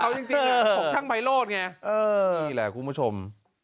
ผมช่างไพโลตไงนี่แหละคุณผู้ชม